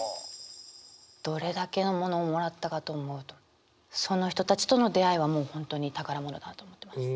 どれだけのものをもらったかと思うとその人たちとの出会いはもう本当に宝物だと思ってます。